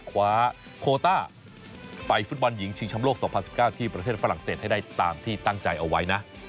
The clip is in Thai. คว้าโคต้าไปฟุตบอลหญิงชิงชำโลก๒๐๑๙ที่ประเทศฝรั่งเศสให้ได้ตามที่ตั้งใจเอาไว้นะ